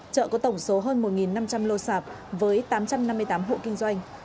chợ có tổng số hơn một năm trăm linh lô sạp với tám trăm năm mươi tám hộ kinh doanh